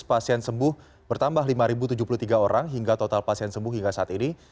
pasien sembuh bertambah lima tujuh puluh tiga orang hingga total pasien sembuh hingga saat ini